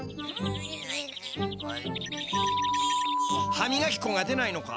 歯みがきこが出ないのか？